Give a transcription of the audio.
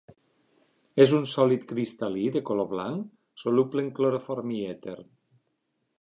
És un sòlid cristal·lí de color blanc, soluble en cloroform i èter.